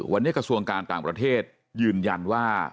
วันนี้กระทรวงการต่างประเทศยืนยันว่า